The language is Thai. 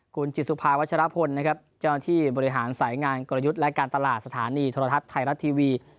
คุณจิตสุภาวัชรพลนะครับเจ้าหน้าที่บริหารสายงานกลยุทธ์และการตลาดสถานีโทรทัศน์ไทยรัฐทีวี